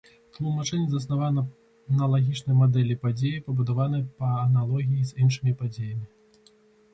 Тлумачэнне заснавана на лагічнай мадэлі падзеі, пабудаванай па аналогіі з іншымі падзеямі.